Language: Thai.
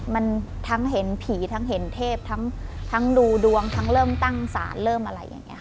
มันทั้งเห็นผีทั้งเห็นเทพทั้งดูดวงทั้งเริ่มตั้งศาลเริ่มอะไรอย่างนี้ค่ะ